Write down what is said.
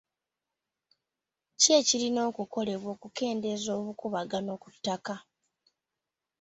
Ki ekirina okukolebwa okukendeeza obukuubagano ku ttaka?